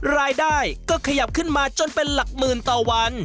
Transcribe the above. รายได้ก็ขยับขึ้นมาจนเป็นหลักหมื่นต่อวัน